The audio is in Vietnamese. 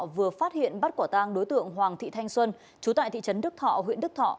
vừa phát hiện bắt quả tang đối tượng hoàng thị thanh xuân chú tại thị trấn đức thọ huyện đức thọ